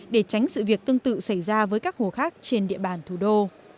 để tránh sự việc tương tự xảy ra với các hồ khác trên địa bàn thủ đô